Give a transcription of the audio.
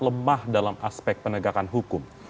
lemah dalam aspek penegakan hukum